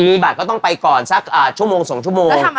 มีบัตรก็ต้องไปก่อนสักชั่วโมง๒ชั่วโมง